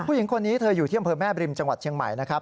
ผู้หญิงคนนี้เธออยู่ที่อำเภอแม่บริมจังหวัดเชียงใหม่นะครับ